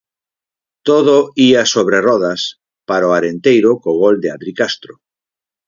Todo ía sobre rodas para o Arenteiro co gol de Adri Castro.